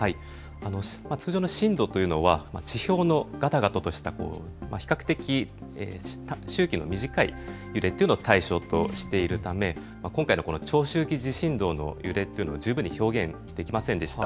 通常の震度というのは地表のガタガタとした比較的、周期の短い揺れというのを対象としているため今回の長周期地震動の揺れというのは十分に表現できませんでした。